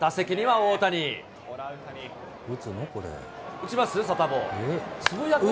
打ちますよ、サタボー。